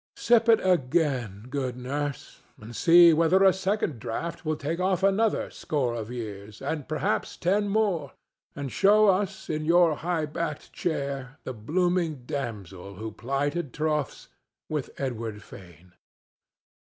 —Sip it again, good nurse, and see whether a second draught will not take off another score of years, and perhaps ten more, and show us in your high backed chair the blooming damsel who plighted troths with Edward Fane.